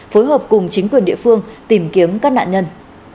phối hợp cùng chính quyền địa phương tìm kiếm các nạn nhân